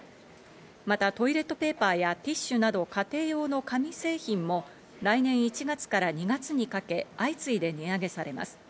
またトイレットペーパーやティッシュなどの家庭用の紙製品も来年１月から２月にかけ相次いで値上げされます。